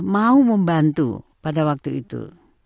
mau membantu pada waktu itu